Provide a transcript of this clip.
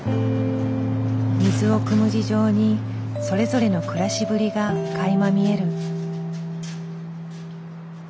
水をくむ事情にそれぞれの暮らしぶりがかいま見える。